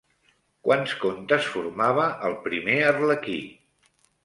Quants contes formava El primer arlequí?